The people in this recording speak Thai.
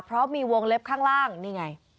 เพราะมีวงเล็บข้างล่างนี่ไง